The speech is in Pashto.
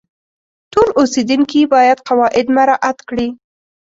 ټول اوسیدونکي باید قواعد مراعات کړي.